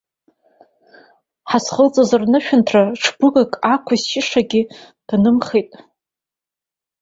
Ҳазхылҵыз рнышәынҭра ҽбыгак аақәызшьышазгьы днымхеит!